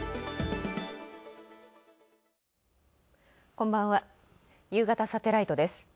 こんばんは『ゆうがたサテライト』です。